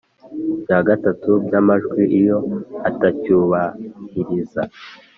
Bya gatatu by amajwi iyo atacyubahiriza